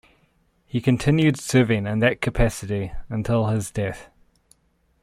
He continued serving in that capacity until his death.